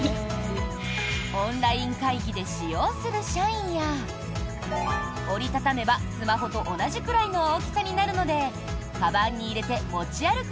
オンライン会議で使用する社員や折り畳めばスマホと同じくらいの大きさになるのでかばんに入れて持ち歩く